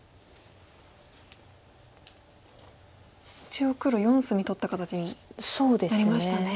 一応黒４隅取った形になりましたね。